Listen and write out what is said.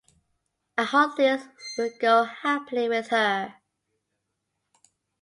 I hope things will go happily with her.